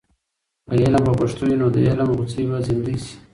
که علم په پښتو وي، نو د علم غوڅۍ به زندې سي.